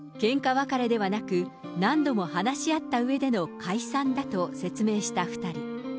別れではなく、何度も話し合ったうえでの解散だと説明した２人。